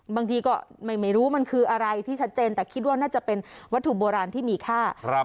บางทีก็ไม่รู้มันคืออะไรที่ชัดเจนแต่คิดว่าน่าจะเป็นวัตถุโบราณที่มีค่า